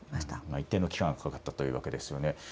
一定の期間、かかったというわけですね。